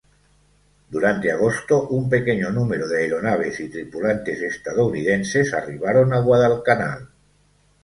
Durante agosto, un pequeño número de aeronaves y tripulantes estadounidenses arribaron a Guadalcanal.